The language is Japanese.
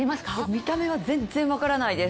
見た目は全然分からないです。